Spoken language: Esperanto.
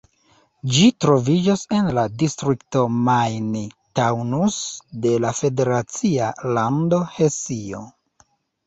Ĝi troviĝas en la distrikto Main-Taunus de la federacia lando Hesio.